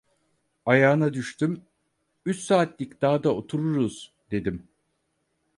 Ayağına düştüm: "Üç saatlik dağda otururuz" dedim.